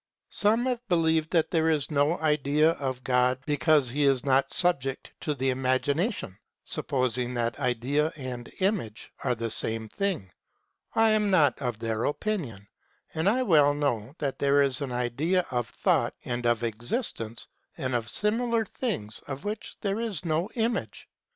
Some have believed that there is no idea of God because he is not subject to the imagination, supposing that idea and image are the same thing. I am not of their opinion, and I well know that there is an idea of thought and of existence and of similar things of which there is no image.